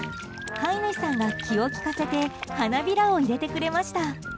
飼い主さんが気を利かせて花びらを入れてくれました。